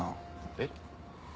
えっ？